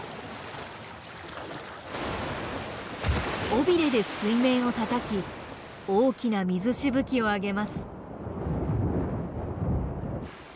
尾びれで水面をたたき大きな水しぶきを上げます。